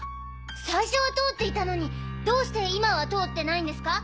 最初は通っていたのにどうして今は通ってないんですか？